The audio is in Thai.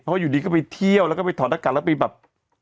เพราะอยู่ดีก็ไปเที่ยวแล้วก็ไปถอดหน้ากากแล้วไปแบบ